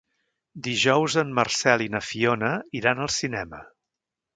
Dijous en Marcel i na Fiona iran al cinema.